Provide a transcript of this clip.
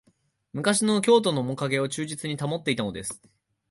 昔の京都のおもかげを忠実に保っていたものです